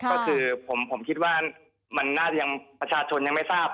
ก็คือผมคิดว่าประชาชนยังไม่ทราบ